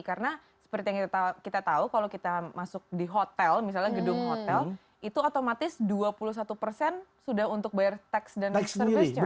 karena seperti yang kita tahu kalau kita masuk di hotel misalnya gedung hotel itu otomatis dua puluh satu persen sudah untuk bayar tax dan tax service charge